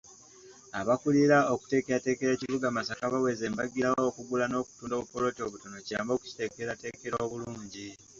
Abakulira okuteekerateekera ekibuga Masaka baweze mbagirawo okugula n'okutunda obupoloti obutono kiyambe okukiteekerateekera obulungi.